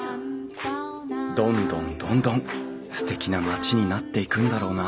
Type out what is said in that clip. どんどんどんどんすてきな町になっていくんだろうな